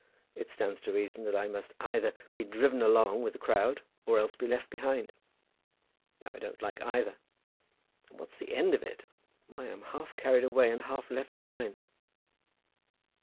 It stands to reason that I must either be driven along with the crowd, or else be left behind. Now, I don't like either. And what's the end of it? Why, I'm half carried away and half left behind."